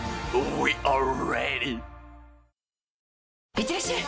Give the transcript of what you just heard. いってらっしゃい！